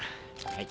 はい。